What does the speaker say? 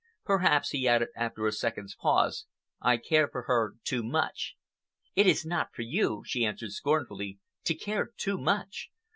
Perhaps," he added, after a second's pause, "I care for her too much." "It is not for you," she answered scornfully, "to care too much.